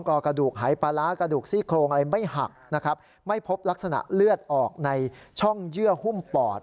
ก็กระดูกหายปลาร้ากระดูกซี่โครงอะไรไม่หักนะครับไม่พบลักษณะเลือดออกในช่องเยื่อหุ้มปอด